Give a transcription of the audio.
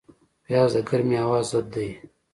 پیاز د ګرمې هوا ضد دی